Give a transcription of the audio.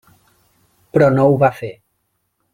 Però no ho va fer.